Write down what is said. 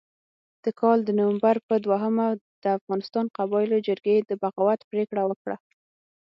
د کال د نومبر په دوهمه د افغان قبایلو جرګې د بغاوت پرېکړه وکړه.